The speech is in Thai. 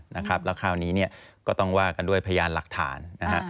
แล้วคราวนี้เนี่ยก็ต้องว่ากันด้วยพยานหลักฐานนะฮะ